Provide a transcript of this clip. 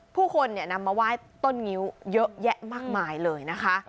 ผู้คนนำมาไหว้ต้นงิ้วเยอะแยะมากมายเลยนะคะ